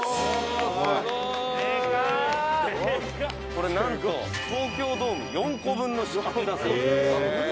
「これなんと東京ドーム４個分の敷地だそうです」